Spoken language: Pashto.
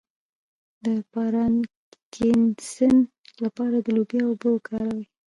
د پارکینسن لپاره د لوبیا اوبه وکاروئ